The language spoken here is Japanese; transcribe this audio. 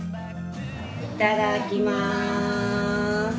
いただきます。